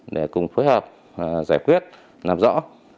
để cùng phối hợp giải quyết làm rõ